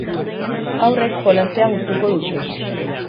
Haurrek jolastea gustuko dute.